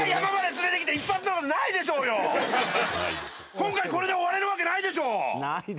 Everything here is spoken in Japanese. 今回これで終われるわけないでしょ！